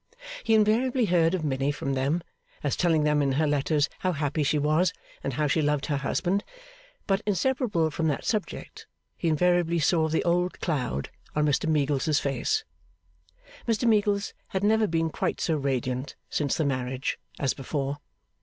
He invariably heard of Minnie from them, as telling them in her letters how happy she was, and how she loved her husband; but inseparable from that subject, he invariably saw the old cloud on Mr Meagles's face. Mr Meagles had never been quite so radiant since the marriage as before.